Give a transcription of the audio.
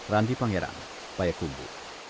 randi pangeran payakumbu